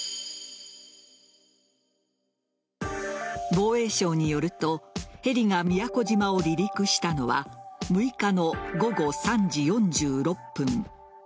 防衛省によるとヘリが宮古島を離陸したのは６日の午後３時４６分。